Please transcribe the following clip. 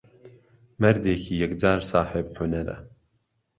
مەردێکی یهکجار ساحێب حونەره.